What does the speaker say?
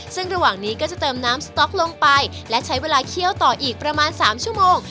ซึ่งระหว่างนี้ก็จะเติมน้ำสต๊อกลงไปและใช้เวลาเคี่ยวต่ออีกประมาณ๓ชั่วโมง